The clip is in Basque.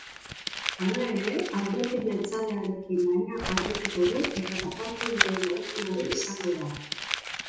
Hala ere, alderdi jeltzalearekin lanean jarraituko du eta batzarkieen aholkulari izango da.